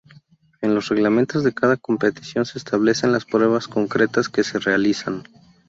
En los reglamentos de cada competición se establecen las pruebas concretas que se realizan.